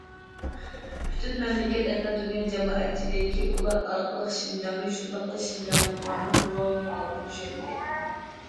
پۈتۈن مەملىكەت ھەتتا دۇنيا جامائەتچىلىكى ئۇلار ئارقىلىق شىنجاڭنى شۇنداقلا شىنجاڭلىقلارنىڭ روھىي ھالىتىنى چۈشەندى.